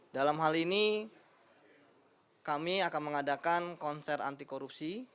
dalam hal ini kami akan mengadakan konser anti korupsi